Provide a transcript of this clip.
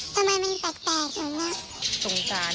สำหรับเราพางของเด็กหนุ่ม